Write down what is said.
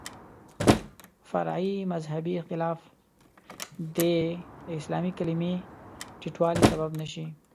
فرعي مذهبي اختلاف دې د اسلامي کلمې ټیټوالي سبب نه شي.